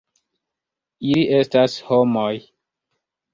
Ili estas homoj.